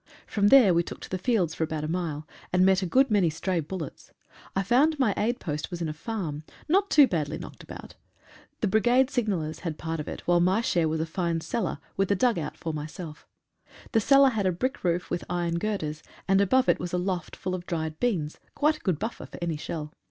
From there we took to the fields for about a mile, and met a good many stray bul lets. I found my aid post was in a farm, not too badly knocked about. The Brigade signallers had part of it, while my share was a fine cellar, with a dugout for myself. The cellar had a brick roof with iron girders, and above it was a loft full of dried beans, — quite a good buffer for any shell.